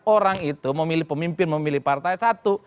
orang itu memilih pemimpin memilih partai satu